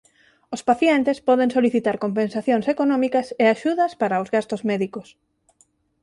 Os pacientes poden solicitar compensacións económicas e axudas para os gastos médicos.